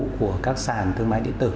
của các sàn thương mại điện tử